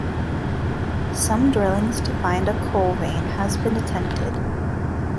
Some drillings to find a coal veins has been attempted.